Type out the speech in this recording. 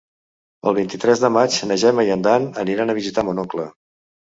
El vint-i-tres de maig na Gemma i en Dan aniran a visitar mon oncle.